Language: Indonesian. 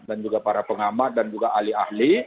dan juga para pengamat dan juga ahli ahli